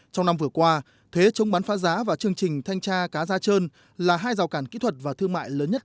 trong năm vừa qua thuế chống bán phá giá và chương trình thanh tra cá da trơn là hai rào cản kỹ thuật và thương mại lớn nhất